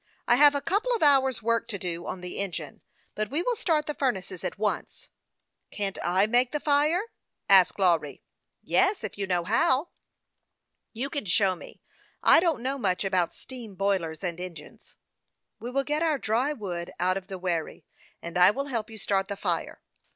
" I have a couple of hours' work to do on the engine ; but we will start the furnaces at once." " Can't I make the fire ?" asked Lawry. "Yes, if you know hmv " 178 HASTE AND AVAST K, OR " You can show me. I don't know much about steam boilers and engines." " We will get our dry wood out of the wherry, and I will help you start the fire.